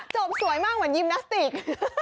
จบสวยมากแบบยิมนาสติก